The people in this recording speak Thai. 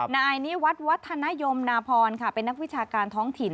นายนี้วัดวัดธนโยมนาพรเป็นนักวิชาการท้องถิ่น